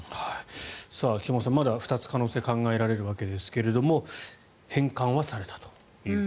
菊間さん、まだ２つ可能性が考えられるわけですが返還はされたという。